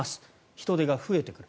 人出が増えてくる。